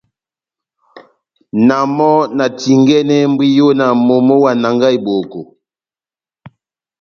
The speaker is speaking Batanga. Na mɔ́ na tingɛnɛhɛ mbwiyo na momó wa Nanga-Eboko.